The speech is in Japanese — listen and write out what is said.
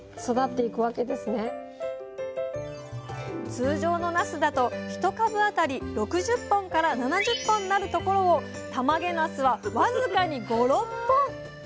通常のなすだと１株当たり６０本から７０本なるところをたまげなすは僅かに５６本。